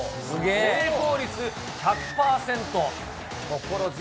成功率１００％。